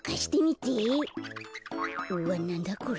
うわなんだこれ。